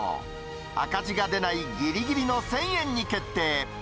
赤字が出ないぎりぎりの１０００円に決定。